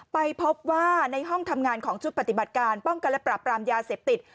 ไปพบว่าในห้องทำงานของชุดปฏิบัติการป้องกันและปรับปรามยาเสพติด